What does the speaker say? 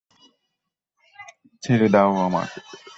ছেঁড়ে দাও আমাকে।